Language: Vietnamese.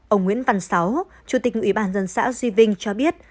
ông nguyễn văn sáu chủ tịch ủy ban dân xã duy vinh cho biết